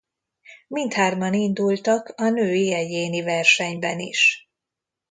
Mindhárman indultak a női egyéni versenyben is.